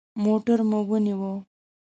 موټر مو ونیوه.